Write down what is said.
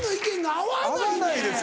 合わないですし。